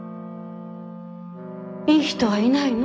いい人はいないの？